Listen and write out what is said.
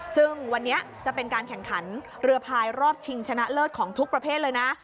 ซึ่งวันนี้จะเป็นการแข่งขันเรือพายรอบชิงชนะเลิศของทุกประเภทเลยนะ